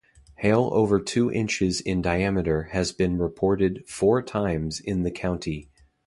Hail over two inches in diameter has been reported four times in the county.